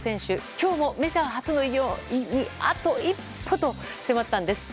今日もメジャー初の偉業にあと一歩と迫ったんです。